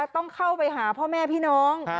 ต้องเข้าไปหาพ่อแม่พี่น้อง